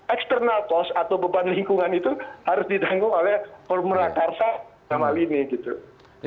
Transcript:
external cost atau beban lingkungan itu harus didanggung oleh pemerintah karsa sama lini